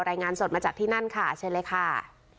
รายงานสดมาจากที่นั่นค่ะเชิญเลยค่ะ